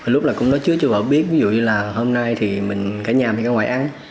lúc đó cũng nói trước cho vợ biết ví dụ như là hôm nay thì mình cả nhà mình ở ngoài ăn